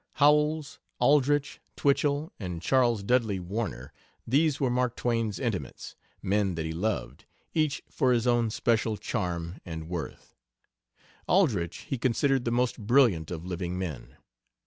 Howells, Aldrich, Twichell, and Charles Dudley Warner these were Mark Twain's intimates, men that he loved, each for his own special charm and worth. Aldrich he considered the most brilliant of living men.